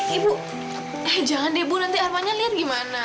ibu jangan deh ibu nanti armannya lihat gimana